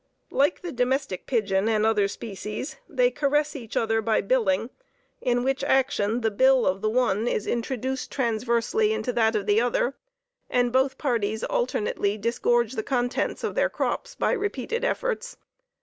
Like the domestic pigeon and other species, they caress each other by billing, in which action, the bill of the one is introduced transversely into that of the other, and both parties alternately disgorge the contents of their crops by repeated efforts.